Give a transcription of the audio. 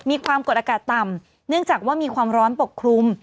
ความกดอากาศต่ำเนื่องจากว่ามีความร้อนปกคลุม